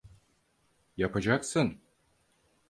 Yapacaksın.